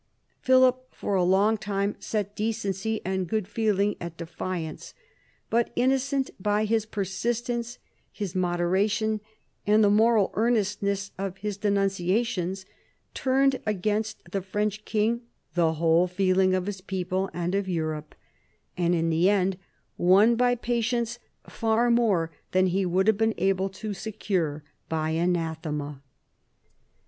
Philip for a long time set decency and good feeling at defiance, but Innocent by his persistence, his moderation, and the moral earnestness of his denuncia tions, turned against the French king the whole feeling of his people and of Europe, and in the end won by patience far more than he would have been able to secure by anathema.